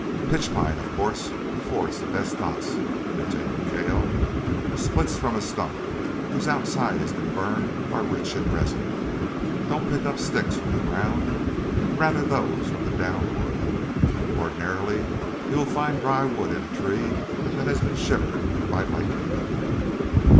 "Pitch pine, of course, affords the best knots," continued Cale. "Splits from a stump whose outside has been burned are rich in resin. Don't pick up sticks from the ground, but rather those from the down wood. Ordinarily you will find fine dry wood in a tree that has been shivered by lightning."